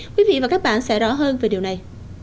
quý vị và các bạn sẽ rõ hơn về điều này